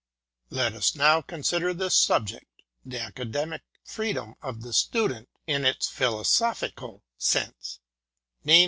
Let us now consider this subject the Academic Freedom of the Student in its philosophical sense; i. e.